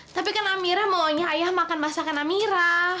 tapi kan amira maunya ayah makan masakan amirah